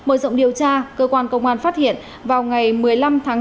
mở rộng điều tra cơ quan công an phát hiện vào ngày một mươi năm tháng bốn